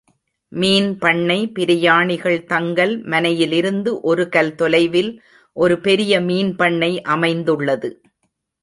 மீன் பண்ணை பிரயாணிகள் தங்கல் மனையிலிருந்து ஒருகல் தொலைவில் ஒரு பெரிய மீன் பண்ணை அமைந்துள்ளது.